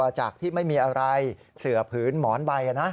จากที่ไม่มีอะไรเสือผืนหมอนใบ